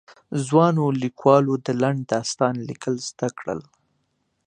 ځوانو ليکوالو د لنډ داستان ليکل زده کړل.